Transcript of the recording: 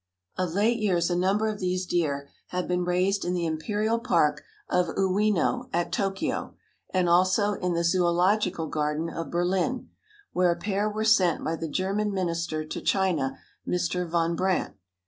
Of late years a number of these deer have been raised in the imperial park of Uwino at Tokio, and also in the Zoölogical Garden of Berlin, where a pair were sent by the German Minister to China, Mr. Von Brandt.